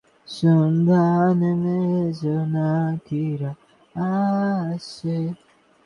তিনি ফাতিহনামা-ই কারাবুগদান গ্রন্থ রচনা করেছেন।